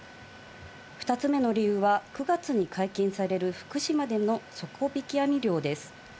２つ目の理由は、９月に解禁される福島での底引き網漁です。